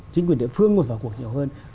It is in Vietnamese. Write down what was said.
chính quyền địa phương phải vào cuộc nhiều hơn